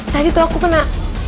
tadi tuh aku kena